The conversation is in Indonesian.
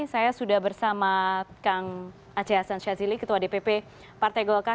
saya sudah bersama kang aceh hasan syazili ketua dpp partai gol kk